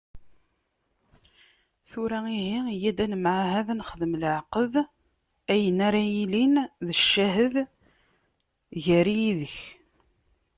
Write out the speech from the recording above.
Tura ihi, yya ad nemɛahad, ad nexdem leɛqed ayen ara yilin d ccahed gar-i yid-k.